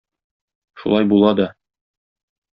Шулай була да.